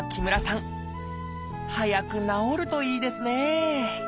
早く治るといいですね！